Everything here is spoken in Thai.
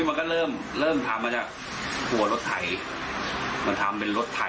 แล้วก็เลิกมาทำเป็นรถกิ๊บ